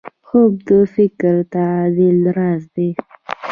خوب د فکري تعادل راز دی